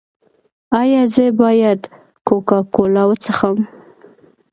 ایا زه باید کوکا کولا وڅښم؟